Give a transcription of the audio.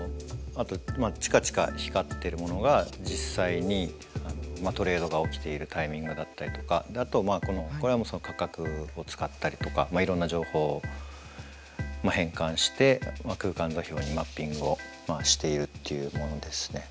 チカチカ光ってるものが実際にトレードが起きているタイミングだったりとかあとはこれは価格を使ったりとかいろんな情報を変換して空間座標にマッピングをしているっていうものですね。